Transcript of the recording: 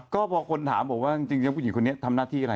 ก็พอคนถามบอกว่าจริงแล้วผู้หญิงคนนี้ทำหน้าที่อะไร